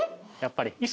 やっぱり。